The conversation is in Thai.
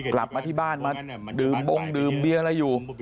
กลับมาที่บ้านมาดื่มบงดื่มเบียอะไรอยู่